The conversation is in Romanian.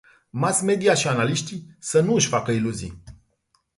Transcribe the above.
Mass-media și analiștii să nu își facă iluzii.